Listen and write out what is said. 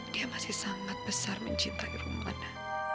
dia masih sangat besar mencintai perempuannya